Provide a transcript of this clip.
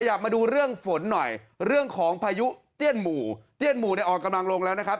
อยากมาดูเรื่องฝนหน่อยเรื่องของพายุเตี้ยนหมู่เตี้ยนหมู่เนี่ยอ่อนกำลังลงแล้วนะครับ